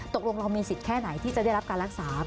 ตกลงเรามีสิทธิ์แค่ไหนที่จะได้รับการรักษา